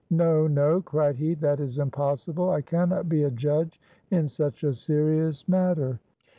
"No, no!" cried he; "that is impossible. I cannot be a judge in such a serious matter."